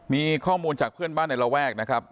มีข้อมูลจากเพื่อนบ้านในระแวกนะครับ